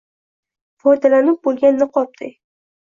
foydalanib boʼlgan niqobday